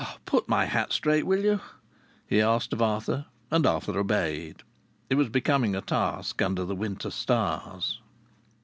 "Put my hat straight, will you?" he asked of Arthur, and Arthur obeyed. It was becoming a task under the winter stars.